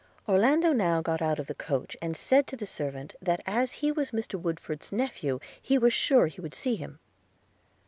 Orlando now got out of the coach, and said to the servant, that as he was Mr.Woodford's nephew, he was sure he would see him.